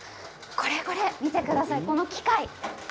これこれ見てください、この機械。